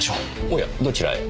おやどちらへ？